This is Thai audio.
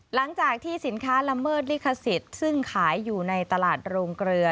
หลังจากที่สินค้าละเมิดลิขสิทธิ์ซึ่งขายอยู่ในตลาดโรงเกลือ